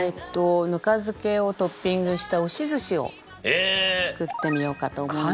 ぬか漬けをトッピングした押し寿司を作ってみようかと思います。